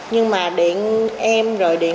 nhưng mà điện em rồi điện